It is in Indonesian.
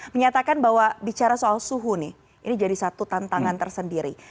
menyatakan bahwa bicara soal suhu nih ini jadi satu tantangan tersendiri